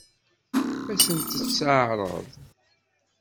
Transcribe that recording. Ad sent-tt-teɛṛeḍ?